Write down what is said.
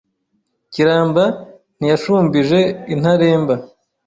Kiramba ntiyashumbije Intaremba